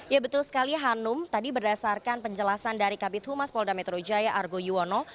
ya betul sekali hanum tadi berdasarkan penjelasan dari kabit humas polda metro jaya argo yuwono